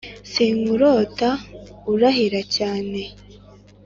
sinkurota urahira cyane